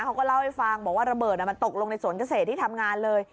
เขาก็เล่าให้ฟังบอกว่าระเบิดมันตกลงในสวนเกษตรที่ทำงานเลย